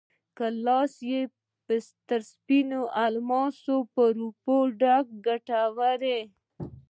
لاس کې یې سپین تر الماس، د اوبو ډک کټوری،